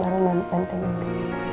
baru bantu bantu nanti